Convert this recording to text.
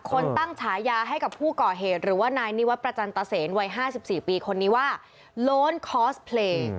คนตั้งฉายาให้กับผู้ก่อเหตุหรือว่านายนิวัตรประจันตเซนวัย๕๔ปีคนนี้ว่าโล้นคอสเพลย์